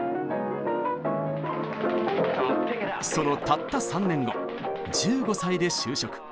そのたった３年後１５歳で就職。